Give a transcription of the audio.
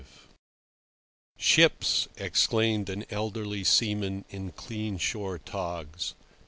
"Ships!" exclaimed an elderly seaman in clean shore togs.